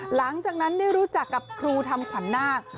หลังจากนั้นได้รู้จักกับครูทำขวัญนาค